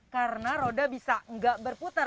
karena roda bisa tidak berputar